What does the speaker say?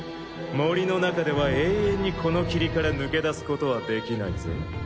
森の中では永遠にこの霧から抜け出すことはできないぜ。